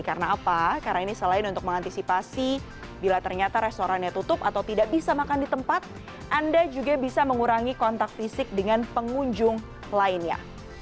karena apa karena ini selain untuk mengantisipasi bila ternyata restorannya tutup atau tidak bisa makan di tempat anda juga bisa mengurangi kontak fisik dengan pengunjung lainnya